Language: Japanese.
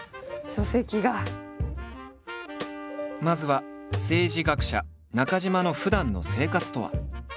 まずは政治学者中島のふだんの生活とは？